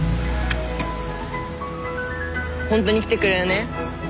本当に来てくれるね？